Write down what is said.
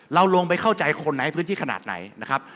เราลงไปเข้าใจคนในพื้นที่ขนาดไหนนะครับ